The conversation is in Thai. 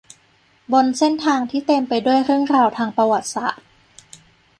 บนเส้นทางที่เต็มไปด้วยเรื่องราวทางประวัติศาสตร์